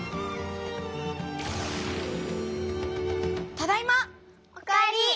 ただいま！お帰り！